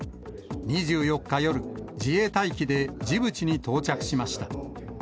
２４日夜、自衛隊機でジブチに到着しました。